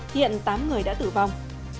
hiện tám người đã tử vong